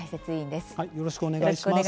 よろしくお願いします。